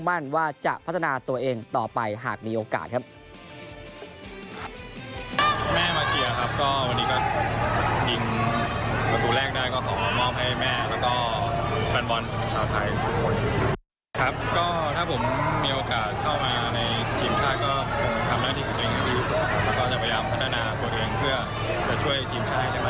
แล้วก็จะพยายามพัฒนาประเทศเพื่อช่วยทีมชาติให้ได้มากขึ้น